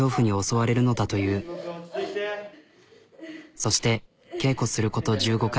そして稽古すること１５回。